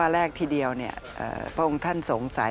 แรกทีเดียวพระองค์ท่านสงสัย